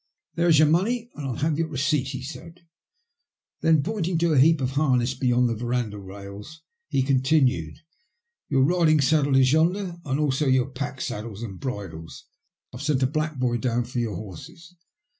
" There is your money, and I'll have your receipt," he said. Then, pointing to a heap of harness beyond the verandah rails, he continued, ''Your riding saddle is yonder, and also your pack saddles and bridles. I've sent a black boy down for your horses.